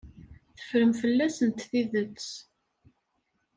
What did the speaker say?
Teffrem fell-asent tidet.